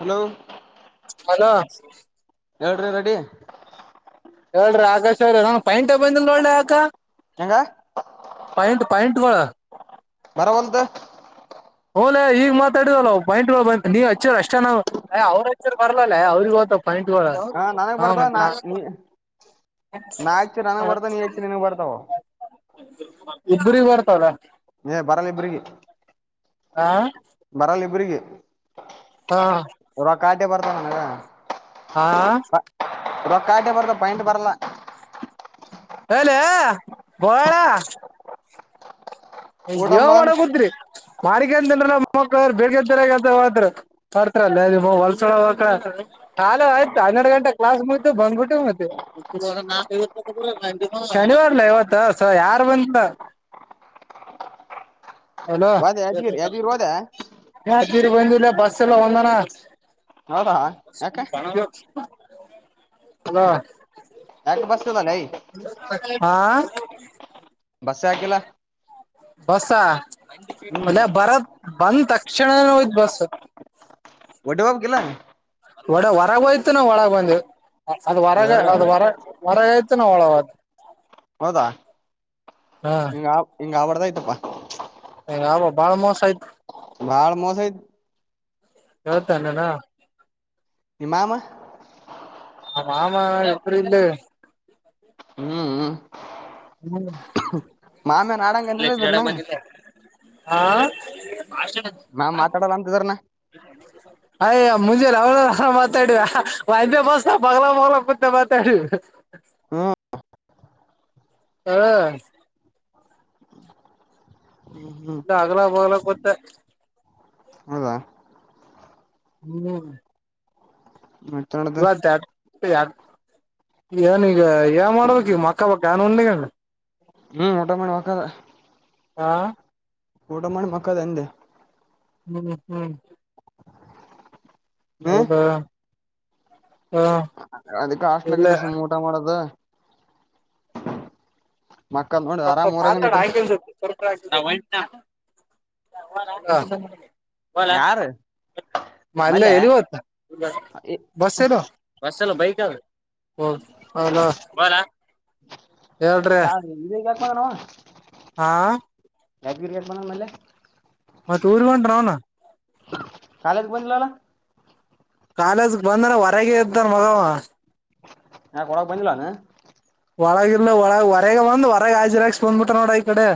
Hello.. hello.. ಎಏ್ರ ready. ಹೇಳ್ರಿ ಆಕಾಶ್ರ ನನ್ ಪೈಂಟ ಬಂದಿಲ್ಲ ನೋಡಳ್ಳೆ ಆ.. ಕೆಂಗ. ಪ್ಯಾಂಟ್ ವಳ. ಮರ ಒಂತ.. ಹಓಲ ಈಗಗ್ ಮಾತಾಡಿದಲ್ಲ ಪಾಯಿಂಟ್ ಬ ನೀವ ಹಚ್ಚ ಅಷ್ಟ ಅವ್ರರು ಹಚ್ಚರ್ ಬರ್ಲಲ್ಲ ಅವ್ರಗ.. ಪನ್ನಿಟಳ ನನಗ್ ಹ ಮ.. ಬರ್ತಾವ ನಾ ನೀ ನಾ ಹಚ್ಚಿ ನನಗ್ ಹ. ಬರ್ತಾವ ನೀ ಹಚ್ಚಿ ನಿನಗ್ ಬರ್ತಾವ ಇಬ್ರ ಬರ್ತದ. ಬರಲ್ಲ ಇಬ್ರಗಿ.. ಆ. ಬರಲ್ಲ ಇಬ್ರಿಗೆ ಹಾ ರ ಕಾಟೆ ಬರ್ತಾನ ನನಗ. ಹಾ. ರೊಕ್ಕಾಟೆ ಬರ್ತ ಪಾಯಂಟ್ ಬರಲ್ಲ.. ಲ ಬಯಳ.. ಒ ಜೀವ ಊಟಂಬ ಮಾಡಗದ್ರಿ.. ಮಾರಿಕಂತನ್ ಮ ಬೇಳ್ಗಂತ ಹ ಹೊರ್ತಲ್ಲ ಹೊಲ್ಸಳ ಹಕ್ಕಳ.. ಕಾಲ ಆಯ್ತು ಹನ್ನೆರಡು ಗಂಟೆ ಕ್ಲಾಸ್ ಮುಗತು ಬಂದ್ಬಿಟ್ಟು ಮತ್ತೆ.. ಶನಿವಾರಲ ಇವತ್ತ ಸ ಯಾರು ಬಂತ.. ಹದ ಯಾದ್ಗೀರಿ ಯಾದಗೀರಿ ಹೋದ.. ತಿರುಬಂದೂ ಇಲ್ಲ ಬಸ್ಸ ಎಲ್ಲ ಒಂದಾನ.. ಹೌದಾ ಯಾಕ ಅದ.. ಆಟ ಬಾಸತ ಬಾನ.. ಹ.. ಕ ಆಕಲ್ಲ.. ಬಸ ಅಲ್ಲ ಬರತ್.. ಬಂದ್ ತಕ್ಷಣ ಹೋಯ್ತ್ ಬಸ್. ವಟೆ ಬಾಬ ಗಲ್ಲ.. ಒಡೆ ಹೊರಗಯ್ತೆ ನಾವು ಒಳಗ ಬಂದ್ ಅದ್ ಹ ಹೊರಗ ಅದ್ ಹೊರ ಹೊರಗ ಯ್ತೆ ನಾ ಒಳಗ. ಹೌದಾ ಹಾ ಹಿಂಗ ಹಿಂಗ ಆಬಡ್ದ ಆಯ್ತಪ್ಪಾ. ಹ ಅಬಾಳ ಮೋ ಸ ಆಯತು. ಭಾಳ ಮೋಸ ಐತ. ಹತಾನನಾ. ನಿ ಮಾಮ. ಮಾಮ ಎಪ್ರ ಇಲ್ಲ. ಹ್ಮ್ ಹ್ಮ ಮಾಮೇನ್ ಆಡಂಗನಿಲ್ಲ ಚ ಇದ್ರನ ಬ ಮಾಮ ಹಾ ಮಾತಾಡಲ್ಲ ಅಂತಿದ್ರನ ಅಯ ಮುಜೆ ಲಾವಣ ಮಾತಾಡ ವ ಬಸ್ ಬಲ ಬಲ ಪತ್ತ ಮಾತಾಡ. ಹ್ಮ ಹಾ. ಹ್ಮ್ ಹ್ಮ್ ನಗರಾ ಬಾಗ್ಲ ಕೊಟ್ಟೆ. ಹೌದಾ ಹ್ಮ್. ಮದ್ಯನದ. ಯಾರ್ಡ್ ಎನ್ ಈಗ ಏನ ಮಾಡಡಬೇಕ ಈಗ ಮಕ್ಕೊ ಬೇಕ್ ಏನ ಉಂಡ ಕೆಂದ. ಹ್ಮ್ಮ್ ಹಲೋ [unintelligible] ಆ. ಊಟ ಮಾಡಿ ಮಕ್ಕದ ಅಂದೆ. [unintelligible] ಹ್ಮ್. ಹ್ಮ್ ಹೌದಾ ಹಾ. ಅದಕ ಹಾಸ್ಟೆಲ್ ದಾಗ ಇದ ಸುಮ್ಮ್ ಊಟ ಮಾಡೋದ. ಮಕ್ಕದ್ ನೋಡ ಸ್ವಲ್ಪ ಆರಾಮ್ ಹೊತ ಊರಾಗನ್ ಹಾಕೋಣ ಇದ್ರ ಆಯ್ತ್. [unintelligible] ನಾ ಹೊಂಟಿನಿ ನಾ. [unintelligible] ಹೋಗಣ ಯಾರ ಬಂದೆ ಮಲ್ಯ ಏನ ಇವತ್ [unintelligible] ಬಸ್ [unintelligible] ಬಸ್. [unintelligible] ಬೈಕ್ [unintelligible] ಹ್ಮ್ ಹ ಹ ಹೋಗಣ. ಸರ್ ಇಲ್ಲಿ ಇಲ್ಲ ಕಣನೋ. ಹಾ. ಯಾದಗಿರಿ [unintelligible] ಇನ್ನ ಮೇಲೆ. ಮತ್ತ ಊರಿಗ ಹೊಂಟ ರೋಹಣ. ಕಾಲೇಜಗ ಬಂದಿಲ ಅಲ್ಲೋ. ಕಾಲೇಜ್ ಬಂದ್ರ ಹೊರಗೆ ಇರ್ತಾನ ಮಗಾ ಅವ. ಯಾಕ ಒಳಗ ಬಂದಿಲ್ಲ ಅವ ಇನ್ನ. ಒಳಗಲ್ಲ ಒಳಗ ಹೊರಗ ಬಂದ ಹೊರಗೆ ಹಾಜಿರಾಸ್ ಬಂದ್ಬಿಟ ನೋಡ್ರ ಈ ಕಡೆ.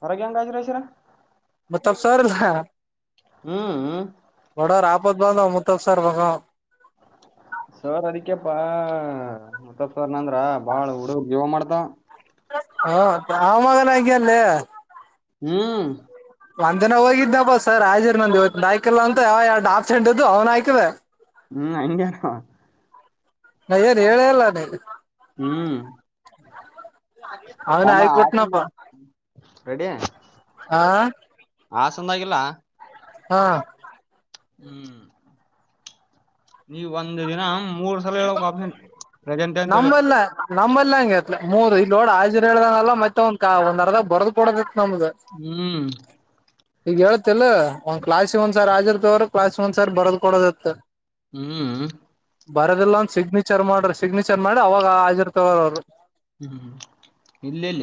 ಹೊರಗೆ ಹೆಂಗ [unintelligible] ಹ ಹ್ಮ್ ಬಡವರ ಆಪತ್ ಬಂದವ [unintelligible] ತ್ತಸರ್ ಮಗಾ ಅವ. ಸರ್ ಅದಿಕ್ಯಪ್ಪಾ ಮತ್ತಪ್ ಸರ್ ನಂದ್ರ ಬಾಳ ಹುಡುಗುರ ಜೀವ ಮಾಡ್ತವ. ಹ ಆ ಮಗನು ಹಂಗೆ ಲೆ. ಹ್ಮ್. ಒಂದ್ನ ಹೋಗಿದ್ನಪ್ಪ ಸರ್ ರಾಜಿರ ನಂದ ಇವತ್ತ [unintelligible] ಕಿಲ್ಲ ಅಂತ ಅವ ಯಾರ್ಡ್ ಆಪ್ಸಂಟ್ ಇದ್ದು ಅವ್ನ ಆಕಿದ. ಹ್ಮ್ ಹಂಗೆ. [unintelligible] ನ ಏನ್ ಹೇಳೆ ಇಲ್ಲ ನಿನ. ಹ್ಮ್. ಅವನ ತಮ್ಮ ಹಾಕ್ಬಿಟ್ನಪ್ಪ [unintelligible] ರೆಡಿ ಹಾ ಅಸ. ಚಂದಾಗಿಲ್ಲ. ಹ. ಹ್ಮ್ ನೀ ಒಂದ ದಿನ ಮೂರ್ ಸಲ ಹೇಳ ಬೇಕ್ ಆಪ್ಷನ್. ಪ್ರಜಂಟ ಅಂತ ಹೇಳಿ. ನಮ್ಮಲ್ಲಿ ಹಂಗ ಏತಲ್ ಮೂರ್ ಈಗ ನೋಡ ಹಾ ಜೆರೋ ಹೇಳ್ದನಲ್ಲ ಮತ್ತ ಒಂದ ಕ ಒಂದ್ ಅರ್ದ ಬರದ ಕೊಡೋದ. ಹ್ಮ್. ಈಗ ಹೇತಿಲ್ಲ ಒಂದ್ ಕ್ಲಾಸ್ ಒಂದ್ ಸರ್ ಆಿರ್ತವ್ರರು ಕ್ಲಾಸ್ ಒಂದ್ ಸರ್ ಬರದ್ ಕೊಡದತ್ತ ಹ್ಮ್ ಬರೋದಿಲ್ಲ ಅಂದ ಸಿಗ್ನಿಚರ್ ಮಾಡ್ರಿ ಸಿಗ್ನಿಚರ್ ಮಾಡಿ ಅವಾಗ ಹಾಜಿರ್ತವ ಅವರು ಹ್ಮ್್ಮ ಇಲ್ಲ ಇಲ್ಲ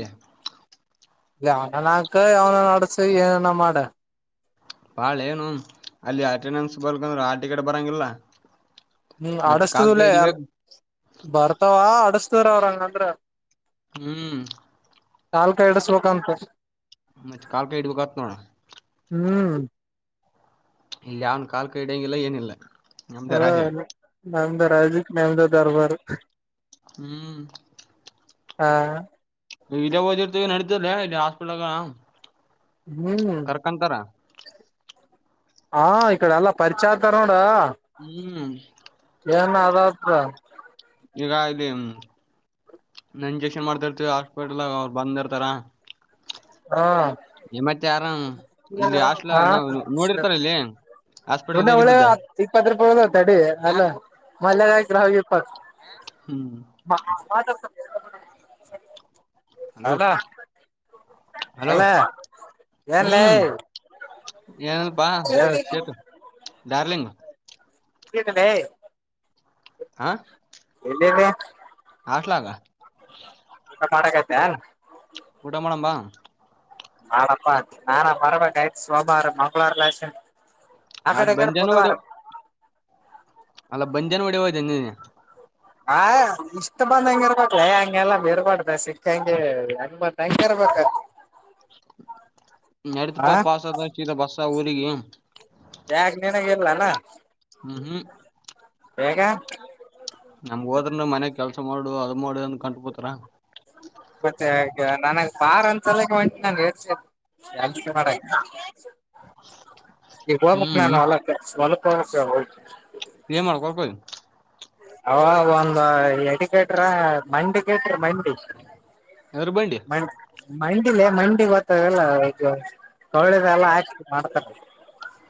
ಯಾವನ ಹಾಕ ಯಾವನ ಅಡಸ ಏನನ ಮಾಡ ಬಾಳೇನು ಅಲ್ಲಿ ಅಟೆಂಡೆನ್ಸ್ ಬಲ್ಕಂದ್ರೂ ಆ ಟಿಕೆಟ್ ಬರೋಂಗಿಲ್ಲ ಹ್ಮ್ ಅಡಸ್ತದಲ್ಲೇ ಎಲ್ ಬರ್ತಾವ ಅಡಸ್ತ್ರ ಅವ್ರಂಗಂದ್ರ ಹ್ಮ್ ನಾಲ್ಕ ಎರಡಸ್ಲಕ ಅಂತ ಮತ್ತೆ ಕಾಲ್ ಕಾಯ ಇಡ್ಬೇಕ ಆತ್ ನೋಣ ಹ್ಮ್ ಇಲ್ಲಿ ಯಾವನ್ ಕಾಲ್ ಕ ಇಡಂಗಿಲ್ಲ ಏನಿಲ್ಲ ನಮ್ದೇ ರಾಜೆ ನ್ಯಮದ ರಾಜುಕ್ ನ್ಯಮದ ದರ್ಬಾರ್ ಹ್ಮ್. ಹಾ. ನಿ ಇದೆ ಓದಿರ್ತಿ ನಡಿತೈತ್ಲೆ ಇಲ್ಲಿ ಹಸ್ಪಿಟಲ್ ದಗ. ಹ್ಮ್ ಕರ್ಕಂತಾರ. ಹಾ ಇಕಡೆ ಎಲ್ಲ ಪರಿಚಾ ಆತರ ನೋಡ. ಹ್ಮ್ ಅದ ಈಗ ಇಲ್ಲಿ ಇಂಜೆಕ್ಷನ್ ಮಾಡ್ತಿರ್ತಿವಿ ಹಾಸ್ಪಿಟಲ್ಾಗ ಅವರು ಬಂದಿರ್ತಾರ ಹಾ ಮತ್ತೆ ಆರಾಮ ಇಲ್ಲಿ ಅಷ್ಟಲ ಹಾ ನಾವ್ ನೋಡಿರ್ತಾರ ಇಲ್ಲಿ ಹಾಸ್ಪಿಟಲ್ ಇನ್ನ ಇದ್ದಾಗ ಉಳೆ ಇದ್ದದ್ದ ಇಕ್ ಪತ್್ರ ಪಳದ ತಡಿ ಅಲ್ಲ ಮಲ್ಲಗಾಯತ್್ರ ಹಪ್ಪ ಹ್ಮ್ ಹಲೋ ಅದಾ ಹಲೋ ಅಲ್ಲ ಏನ್ಲ್ಲ ಬಾ ಸತ ದಾರ್ಲಿಂಗ್ [unintelligible] ಹಾ ಎಲ್ಲಿದೆ ಆಾಟಲಾಗ ಎ ಮಾಡಕೈತ ಊಡ ಮಡಂಬಾ ನಾಳಪ್ಪಾ ನಾಾನ ಬರಬೇಕ ಆಯ್ತ್ು ಸೋಮಾರ ಮಂಗ್ವಾರಲ ಆಯ್ತ್ ಅಕ್ಕಡೆಕಡೆ ಬಂದೇನು ಬುಧವಾರ ಹೊಡಿ ಅಲ್ಲ ಬಂಜನ್ ಹೊಡಿ ಹೋಯ್ದಿ ಹ ಇಷ್ಟ್ ಬಂದಂಗ ಇರ್ಬಲ ಹಂಗೆಲ್ಲ ಬಿರ್ಬಾರಡ್ದ ಸಿಕ್ಕಂಗೆ ಹೆಂಗ ಬ ಹಂಗ ಇರ್ಬ [unintelligible] ನತಪ್ಪಾ ಪಸದ ಸ ಬಸ್ಸಾ ಊರಿಗೆಗೆ ಲ್ಲ ಹ್ಮ್ ಹೇಗ ನಮ್ಗ್ ಹೋದ್ರನು ಮನ್ಯಗ್ ಕೆಲ್ಸ ಮಾಡು ಅದ್ ಮಾಡು ಅಂದ ಕಂಟ್ಪತ್ರರ ಮತ್ತೆ ನನ ಪಾರ್ ಅಂತಲಕ್ಕೆಂಟ ನಾನ ಮಾಡ ಈಗ ಹೋಗಕ್ ಹ್ಮ್ ನಾನು ಹೊಲಕ್ಕ ಹೊಲಕ್ ಹೋಗಕ್ಕೆ ಹೋಗತಿ ಏನ್ ಮಾಡ್ಕೊಳ್ಕೋ ಹ ಒಂದು ಎಡಿ ಕೆಟ್ರ ಮಂಡಿ ಕೆಟ್ರ ಮಂಡಿ ಎದ್ರ ಬಂಡಿ ಮ ಮ ಿಲ್ಲ ಮಂಡಿ ಗೊತ್ತ ಎಲ್ಲಳೆದ ಎಲ್ಲ ಹಾಕ ಮಾಡ್ತಾರೆ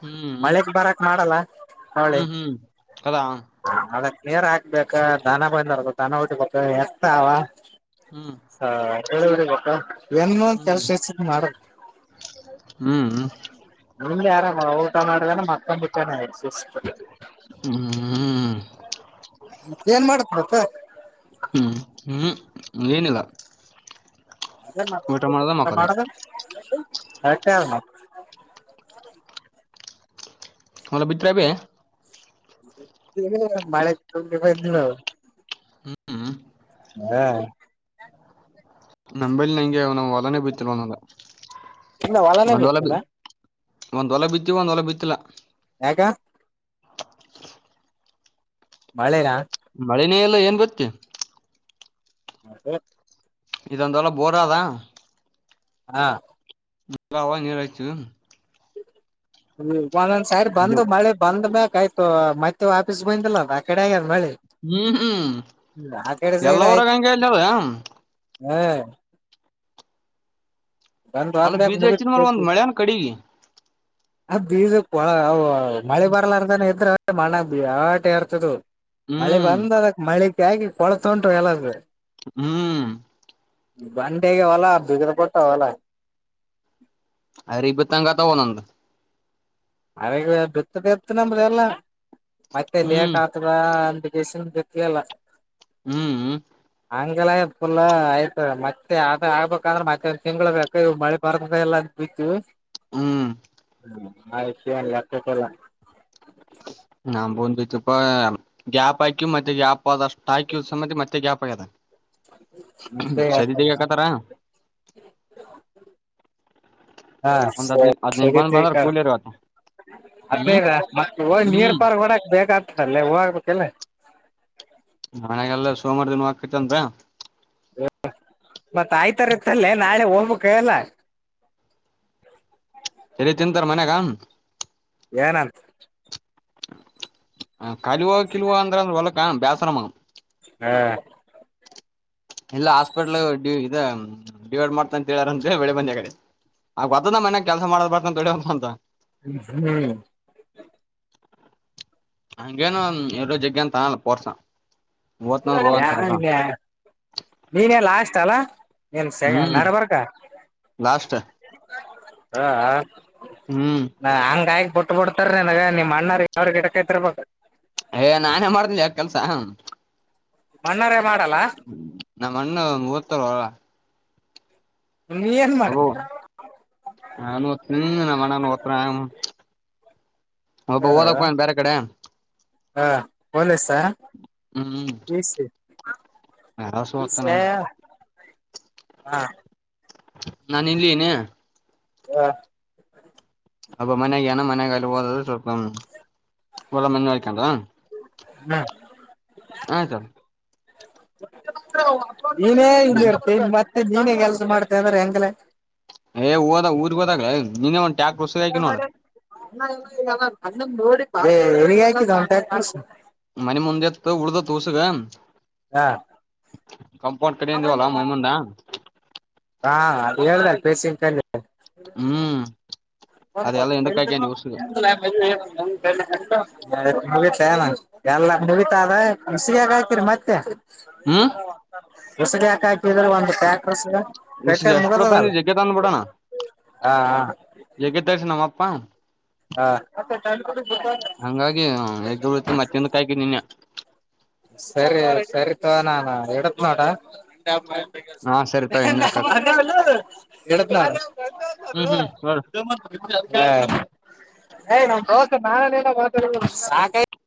ಹ್ಮ್ ಮಳೆಕ್ ಬರಕ್ ಮಾಡಲ್ಲ ಅವಳಿ ಹ್ಮ್ ಹ್ಮ್ ಹೌದಾ ನೀರ್ ಹಾಕ್ಬೇಕ ದನ ಬಂದವರ್ಬೇಕ ದನ ಉಟ್ಟಬೇಕು ಎಕ್ತ ಅವ ಹ್ಮ್ ಸ ಗತ್ತ ನ್ ಹ್ಮ್ ಕೆಲಸ ಹೆಸ ಮಾಡ ಹ್ಮ್ ನಿಮ್ ಯಾರಾಮ ಊಟ ಮಾಡಿದಾನ ಮಕ್ಕೊಂದ ಬಿಕ್ಕಾನೇ ಆಯತ ಹ್ಮ್ ಏನ್ ಮಾಡತ್ ಮತ್ತ ಹ್ಮ್ ಹ್ಮ್ ಹ್ಮ ಏನಿಲ್ಲ ಊಟ ಮಕ್ಕದ ಮಾಡದ ಅಕ್ಕ ಮಲ್ಲ ಬಿಟ್ರ ಇಬ ಮಳೆ ಹ್ಮ್ ಹಾ ನಂಬಲ್ಲಿ ನಂಗೆ ಅವ ನವು ಒಲನೆ ಬಿತಿಲ್ವ ಇಲ್ಲ ಒಳನ ಬೇಕಲ್ಲ ಒಂದ್ ವಲ ಬಿತ್ತತಿ ಒಂದ್ ವಲ ಬಿತ್ತಿಲ್ಲಾ ಹಕ ಮಳೆನಾ ಮಳೆನೇ ಎಲ್ಲ ಏನ್ ಗೊತ್ತ ಹ ಹ ಇದು ಅಂತ ಅವಲ ಬೋರದಾ ಹಾ ನೀಾವ ನೀರ ಆಯ್ತು ಹ್ಮ ಒಂದೊಂದ್ ಸ ಇದು ಬಂದ ಮಳೆ ಬಂದ ಮ್ಯ ಆ್ತು ಮತ್ತೆ ಆಫಪೀಸ್ ಬಂದಿಲ್ಲ ಅ ಆ ಕಡೆ ಆಗ್ಯಾರ ನಳಿ ಹ್ಮ್ ಹ್ಮ್ ಎಲ್ಲವರಗ ಹಂಗೆ ಹೇಳ್ದಾವ ಹ್ಮ್ ಅಲ್ಲ ಹೋದ್ಮ್ಯಾಕ್ ಬೀಜ ಮುಗಿತ್ ಹೆಚ್ಚಿದ್ ಮ್ರ ಒಂದ್ ಮಳೆಾನ ಕಡಿಗೆ ಅದ್ ಬೀಜಕ್ ಮಳೆ ಬರಲಾರದಾನ ಇದ್ರೆ ಮಣ್ಣ ಬ್ಯಾಟೆರ್ತದ ಮಳೆ ಹ್ಮ್ ಬಂದ ಅದಕ್ ಮಳಿಗ್ ಆಗಿ ಕೊಳತ ಉಂಟು ಎಲ್ಲಾದರು ಹ್ಮ್ ಬಂಟೆಗೆ ಹೊಲ್ಲ ಬಿಗದ ಪಡ್ಟ್ಟಾ ಹೊಲ್ಲ ಅರಿ ಇಬ್ಬ ತಂಗತ ಹನು ಅ ಬಿತ್ ಬಿತ್ ನಮ್ರ ಎಲ್ಲಾ ಮತ್ತೆ ಹ್ಮ್ ಲೇಟ್ ಆತದ ಅ ೇಶ ಕತಲ್ಲ ಹ್ಮ್್ಮ ಹಂಗಲ್ಲ ಫುಲ್ ಆಯ್ತ ಮತ್ತೆ ಅ ಆಗ್ಬೇಕಂದ್ರೆ ಮತ್ತೆ ಶಮ್ಗಳು ಬೇಕ ಇ ಮಳಿ ಪರ್ಲ್ಲ ಇತ್ತು ಹ್ಮ್ ಹ ನಷ ಯಕ್ಕಲ್ಲ ಸ್ವಪ ಗ್ಯಾಪ್ ಆಾಕು ಮತ್ತೆ ಗ್ಯಾಪ್ ಆದಷ್ಟು ಹಾಕ್ಯ ಸಮತಿ ಮತ್ತೆ ಗ್ಯಾಪ್ ಆಗ್ಯದ ಮತ್ತೆ ಸರಿದಗಕತಾರಾ ಹಮ್ ಹಾ ಸ ಹದ್ನೈದು ಹದ್ನೈದು ಸರಿ ಬಂದ್ ಬಂದ್ರ ಕೂಲಿರ್ ಇವತ್ತ ಹ್ಮ್ ಅದೇ ಹ್ ನೀರ್ ಹ್ಮ್ ಪಾರ್ಕ್ ಹೊಡಕ್ ಬೇಕಾಗ್ತ ಅಲ್ಲೇ ಹೂಾಗಬೇಕಲ್ಲ ನಣಾಗಲ್ಲ ಸೋಮಾರದನ್ ಆಕತಂದ್ರ ಮತ್ತ ಆಯ್ತರ ಇತ್ತಲ್ಲೇ ನಾಳೆ ಹೋಗ್ಬೇಕ ಎಲ್ಲ [inaudible] ಮನೆ ಕಾಮ ಏನ ಹ ಕಲುವ ಕಿಲವ ಅಂದ್ರಂದ್ರ ಹೊಲಕ ಬೇಾಸರ ಮಗ ಹ್ಮ್ ಇಲ್ಲಾ ಹಾಸ್ಪಿಟ್ಲ್ಡಿ ಇದ ಡಿವೈಡ್ ಮಾಡ್ತ ಅಂತ ಹೇಳಾರಂದ ಬೆಳೆ ಬಂದೆ ಕಡೆ ಆ ಗದ ಮನ್ಯಾಗ ಕೆಲಸ ಮಾಡದ್ ಬರ್ತ ಅಂತ ಅಂತ ಹ್ಮ್ ಹಂಗೇನು ಎರಡು ಜಗ್ಂತ ತಾನಲ್ಲ ಪೋರ್ಸ ಓತ್ನಂದ್ರ ಯ ಹೋಗಂತಾರ ಅವ್ರ. ನೀನೇ ಲಾಸ್ಟ್ ಅಲ್ಲ ಏನ್ ಸ ಹ್ಮ್ ನಡ ಬರ್ಕ ಲಾಸ್ಟ್ ಹ ಹ್ಮ್ ಹಂಗ ಗಾಯಕಟ್ಟ ಬ ಬಿಡ್ತಾರ ನನಗ ನೀನ್ ಮಾಡಣ್ಣಾರ ಯಾವ್ರ ಗಿಡಕೈತ್ರ್ ಬ ಏ ನಾನೇ ಮಾಡ್್ದನಿ ಯ ಕೆಲ್ಸ ಮಣ್ಣಾರೆ ಮಾಡಲ್ಲ ್ಮ ನಮ್ಮ ಅಣ್ಣ ಒ ಓದ್ತಾರಳ ನೀ ಏನ್ ಮಾಡ ಅಬೋ ನ ನಣ ನತ್ರ ಹಬ ಓದನ್ ಬೇರೆ ಕಡೆ ಹಾ ಲಸಾ ಹ್ಮ್ ನಸು ಪಿ ಹತ ಸಿ ನಂಗ ಹಾ ನಾನ ಇಲ್ಲಿ ನೆ ಹಾ ಅಬ್ ಮನ್ಯಾಗ ನ ಮನೆಗಲಿ ಹೋದ್ರ ಸ್ವಲ್ಪ ಒಳ್ಳ ಮ ಹಕೊಂಡ್ರ ಹ್ಮ ಆಯ್ತ ನೀನೇ ಇಲ್ಲಿ ಇರ್ತ ಮತ್ತೆ ನೀನ್ೇ ಕೆಲ್ಸ ಮಾಡ್ತಾ ಅ್ರ ಹೆಂಗಲ್ಲ ಏ ಓದ ಊರ್ಗ್ ಗೋದಾಗ ನೀ ಒಂಟ ಣ ನೋಡಿಗಂಟ್ಯಾ ಮಾಡ ಮನೆ ಮುಂದೆತ್ತು ಉಡ್ದತ್ಸಗ ಹಾ ಕಂಫೋರ್ಟ್ ಕ್ದವಲ್ಲ ಮಮಾ ಹಾ ಅ ಹೇಳಸ ಹ್ಮ್ ಹಬ ಅದೆಲ್ಲ ಹಿಂದಕ್ ಹಾಕಂದಿ ಉಸಗ [unintelligible] ನವತ ಏನ ಎಲ್ಲ ನವತ ಅದ ಬಸಿಗೆಗ ಆಯತರಿ ಮತ್ತೆ ಹ್ಮ್ ಹೊಸ ಕಕ ಒಂದು ಪ್ಯಾಕ್ಟ್ಟ ಉಸಿದ ಎಷ್ಟರ ಮುಗತದ ತಂದಿ ಜಗ್ಗೆ ತಂದ್ ಹ ಹೇಗೆ ತಳ್ಸಿ ನಮ್ಮಪ್ಪಾ ಹಂಗಾಗಿ ಹೆಗ್ಗ ಉಳುತ್ತ ಮತ್ತಂದು ಕಾಯ್ಕ ನಿನ್ಯ ಸರಿ ಸರಿತವಾ ನಾನ ಹೇಳಡತ್ ನೋಡ ಹಾ ಸರಿ ಎಡತ್ನ ತಗೋ ಇನ್ನರ್ ಕಾಕ ಹ್ಮ್ ಹ್ಮ್ [unintelligible] ನೋಡ ದಮ್ಮ ಹ ಯ ನಮ ದೋಸ್ ನಾನಲ್ಲ